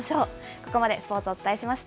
ここまでスポーツ、お伝えしました。